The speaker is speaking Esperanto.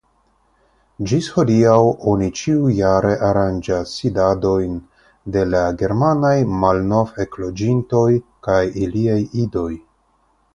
Ĝis hodiaŭ oni ĉiujare aranĝas sidadojn de la germanaj malnovekloĝintoj kaj iliaj idoj.